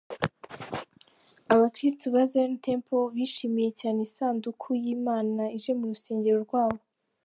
Abakristo ba Zion Temple bishimiye cyane isanduku y'Imana ije mu rusengero rwabo.